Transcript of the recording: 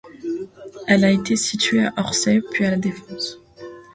Elle a été située à Orsay puis à La Défense.